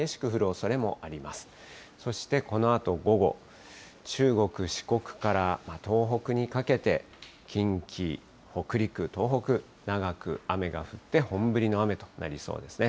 そしてこのあと午後、中国、四国から東北にかけて、近畿、北陸、東北、長く雨が降って本降りの雨となりそうですね。